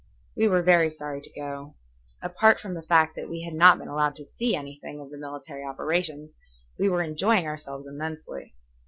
We were very sorry to go. Apart from the fact that we had not been allowed to see anything of the military operations, we were enjoying ourselves immensely.